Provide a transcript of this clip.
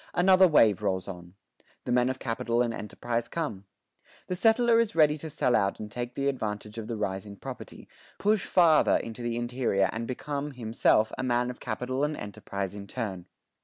Another wave rolls on. The men of capital and enterprise come. The settler is ready to sell out and take the advantage of the rise in property, push farther into the interior and become, himself, a man of capital and enterprise in turn.